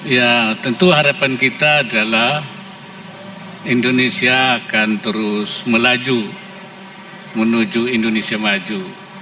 ya tentu harapan kita adalah indonesia akan terus melaju menuju indonesia maju